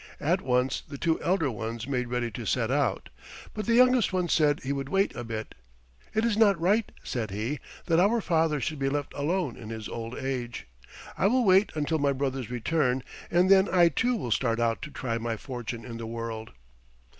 At once the two elder ones made ready to set out; but the youngest one said he would wait a bit. "It is not right," said he, "that our father should be left alone in his old age. I will wait until my brothers return, and then I too will start out to try my fortune in the world."